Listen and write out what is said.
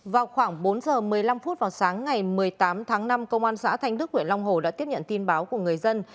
vào khoảng bốn giờ một mươi năm phút vào sáng ngày một mươi tám tháng năm công an xã thanh đức huyện long hồ đã tiếp nhận tin báo của người dân